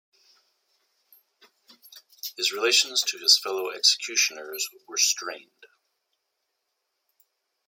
His relations to his fellow executioners were strained.